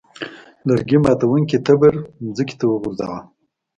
لرګي ماتوونکي تبر ځمکې ته وغورځاوه.